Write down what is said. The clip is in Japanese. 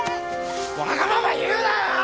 わがまま言うな！